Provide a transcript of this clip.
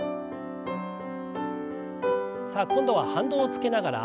さあ今度は反動をつけながら。